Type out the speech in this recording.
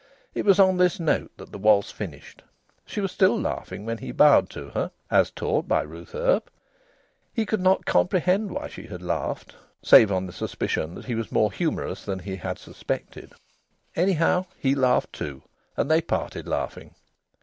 It was on this note that the waltz finished. She was still laughing when he bowed to her (as taught by Ruth Earp). He could not comprehend why she had so laughed, save on the supposition that he was more humorous than he had suspected. Anyhow, he laughed too, and they parted laughing.